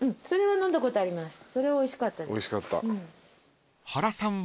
それおいしかったです。